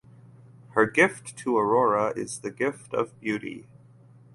Her gift to Aurora is the gift of beauty.